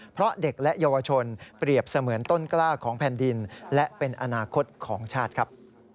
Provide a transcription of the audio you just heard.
เพราะเด็กและเยาวชนเปรียบเสมือนต้นกล้าของแผ่นดินและเป็นอนาคตของชาติครับ